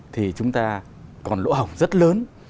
thì chúng ta còn lỗ hỏng rất lớn